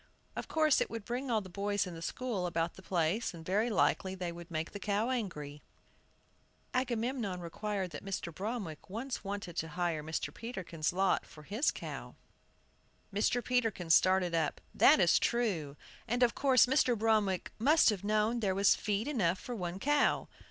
"Of course, it would bring all the boys in the school about the place, and very likely they would make the cow angry." Agamemnon recalled that Mr. Bromwick once wanted to hire Mr. Peterkin's lot for his cow. Mr. Peterkin started up. "That is true; and of course Mr. Bromwick must have known there was feed enough for one cow."